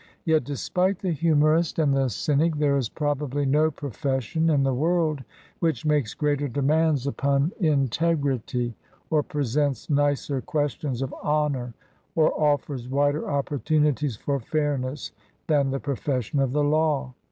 Yet, despite the humorist and the cynic, there is probably no profession in the world which makes greater demands upon 31 LINCOLN THE LAWYER integrity, or presents nicer questions of honor, or offers wider opportunities for fairness, than the profession of the law.